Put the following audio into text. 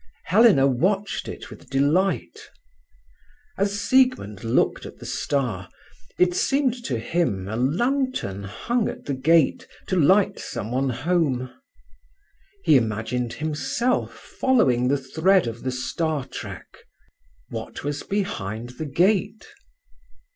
Helena watched it with delight. As Siegmund looked at the star, it seemed to him a lantern hung at the gate to light someone home. He imagined himself following the thread of the star track. What was behind the gate?